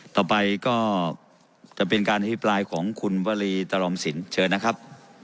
ต่อไปก็จะเป็นการอภิปรายของคุณวรีตรอมสินเชิญนะครับ